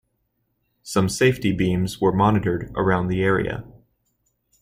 Some safety beams were monitored around the area.